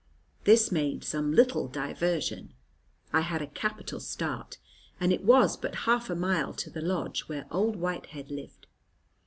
This made some little diversion; I had a capital start, and it was but half a mile to the lodge where old Whitehead lived.